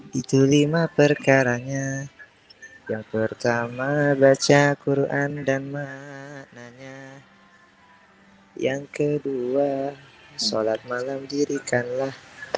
hai itu lima perkaranya yang pertama baca quran dan maknanya yang kedua sholat malam dirikanlah